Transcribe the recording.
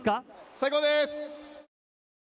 最高です！